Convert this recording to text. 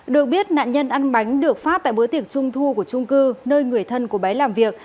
được biết nạn nhân ăn bánh được phát tại bữa tiệc trung thu của trung cư nơi người thân của bé làm việc